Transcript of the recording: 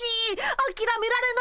あきらめられない！